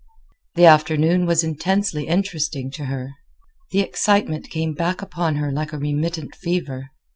The afternoon was intensely interesting to her. The excitement came back upon her like a remittent fever.